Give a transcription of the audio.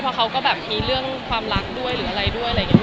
เพราะเขาก็แบบมีเรื่องความรักด้วยหรืออะไรด้วยอะไรอย่างนี้